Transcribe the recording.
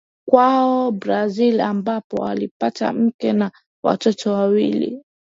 Kwao Brazili ambapo alipata mke na watoto wawili